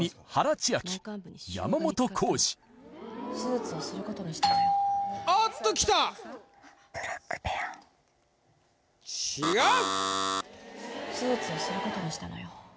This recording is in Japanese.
違う・手術をすることにしたのよ